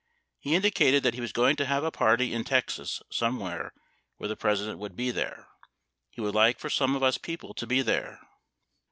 He indi cated that he was going to have a party in Texas somewhere where the President would be there. He would like for some of us people to be there.